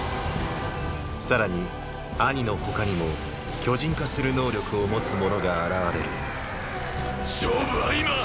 さらにアニの他にも巨人化する能力を持つ者が現れる勝負は今！！